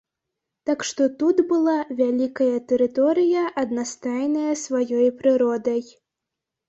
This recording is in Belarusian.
Так што тут была вялікая тэрыторыя, аднастайная сваёй прыродай.